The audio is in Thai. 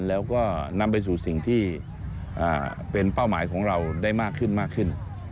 แล้วก็นำไปสู่สิ่งที่เป็นเป้าหมายของเราได้มากขึ้นมากขึ้น